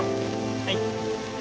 はい。